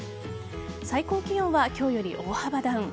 最高気温は今日より大幅ダウン。